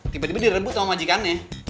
tiba tiba direbut sama majikannya